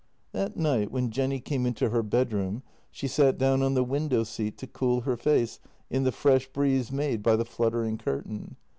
That night, when Jenny came into her bedroom, she sat down on the window seat to cool her face in the fresh breeze made by the fluttering curtain.